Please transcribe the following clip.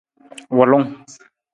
Wulung.